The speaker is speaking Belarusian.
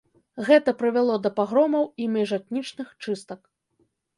Гэта прывяло да пагромаў і міжэтнічных чыстак.